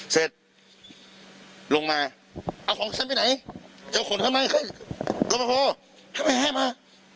เสร็จลงมาเอาของฉันไปไหนจะเอาของฉันไปไหนเข้ามาพอถ้าไม่ให้มา